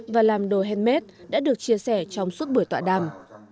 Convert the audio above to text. và làm đồ handmade đã được chia sẻ trong suốt buổi tọa đàm